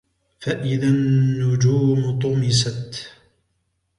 فَإِذَا النُّجُومُ طُمِسَتْ